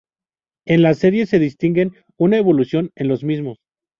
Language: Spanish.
En la serie se distinguen una evolución en los mismos.